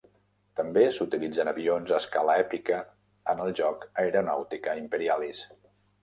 També s'utilitzen avions a escala èpica en el joc "Aeronautica Imperialis".